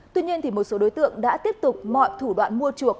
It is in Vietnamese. tuy nhiên một số đối tượng đã tiếp tục mọi thủ đoạn mua chuộc